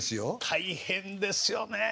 大変ですよねえ。